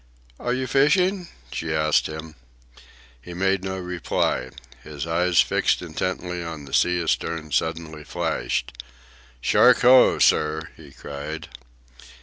"Are you fishing?" she asked him. He made no reply. His eyes, fixed intently on the sea astern, suddenly flashed. "Shark ho, sir!" he cried.